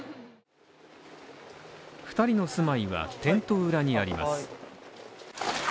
２人の住まいは、テント裏にあります。